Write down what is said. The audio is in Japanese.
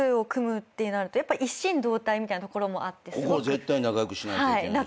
絶対仲良くしないといけないし。